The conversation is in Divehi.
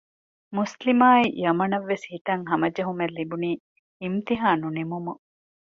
މުސްލިމާއި ޔަމަނަށްވެސް ހިތަށް ހަމަޖެހުމެއްލިބުނީ އިމްތިހާނު ނިމުމުން